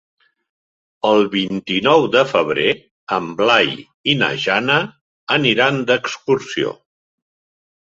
El vint-i-nou de febrer en Blai i na Jana aniran d'excursió.